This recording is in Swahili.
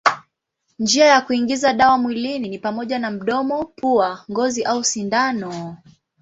Njia za kuingiza dawa mwilini ni pamoja na mdomo, pua, ngozi au sindano.